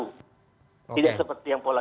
tidak seperti yang pola